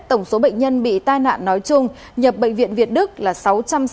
tổng số bệnh nhân bị tai nạn nói chung nhập bệnh viện việt đức là sáu trăm sáu mươi bảy